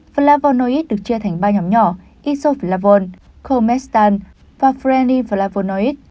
flavonoid được chia thành ba nhóm nhỏ isoflavone comestan và freni flavonoid